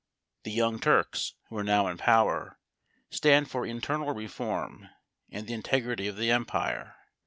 The Young Turks, who are now in power, stand for internal reform and the integrity of the empire.